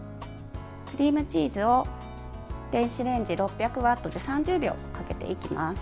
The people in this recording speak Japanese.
クリームチーズを電子レンジ６００ワットで３０秒かけていきます。